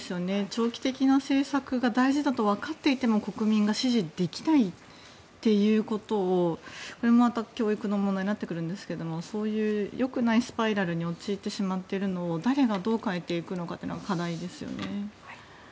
長期的な政策が大事だとわかっていても国民が支持できないっていうことをこれまた教育の問題になってくるんですけどそういうよくないスパイラルに陥ってしまっているのを誰がどう変えていくのかっていうのが課題ですよね。